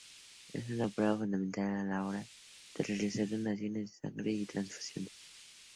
Es una prueba fundamental a la hora de realizar donaciones de sangre y transfusiones.